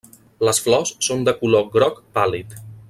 Les flors són de color groc pàl·lid.